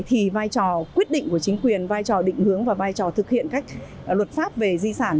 thì vai trò quyết định của chính quyền vai trò định hướng và vai trò thực hiện các luật pháp về di sản